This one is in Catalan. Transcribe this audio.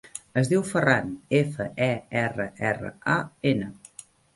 Es diu Ferran: efa, e, erra, erra, a, ena.